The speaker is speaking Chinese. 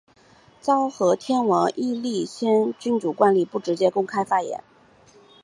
昭和天皇依立宪君主惯例不直接公开发言。